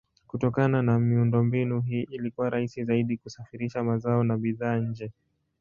Kutokana na miundombinu hii ilikuwa rahisi zaidi kusafirisha mazao na bidhaa nje.